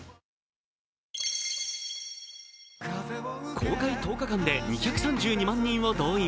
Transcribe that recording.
公開１０日間で２３２万人を動員。